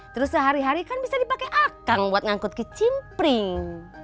terus sehari hari kan bisa dipake akang buat ngangkut ke cimpring